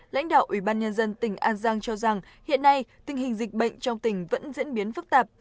lãnh đạo ủy ban nhân dân tỉnh an giang cho rằng hiện nay tình hình dịch bệnh trong tỉnh vẫn diễn biến phức tạp